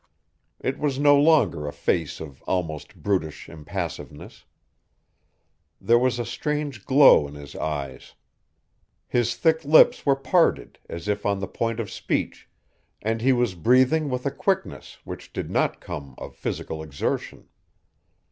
It was no longer a face of almost brutish impassiveness. There was a strange glow in his eyes. His thick lips were parted as if on the point of speech, and he was breathing with a quickness which did not come of physical exertion.